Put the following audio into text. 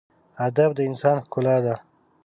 ادب د انسان ښکلا ده.